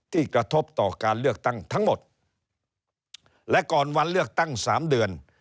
กระทบต่อการเลือกตั้งทั้งหมดและก่อนวันเลือกตั้งสามเดือน